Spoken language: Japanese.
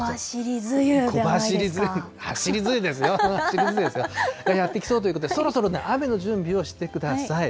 小走り梅雨、走り梅雨ですよ、走り梅雨ですよ、やってきそうということで、そろそろ雨の準備をしてください。